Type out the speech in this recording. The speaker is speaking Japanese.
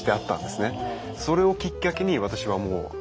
それをきっかけに私はもう。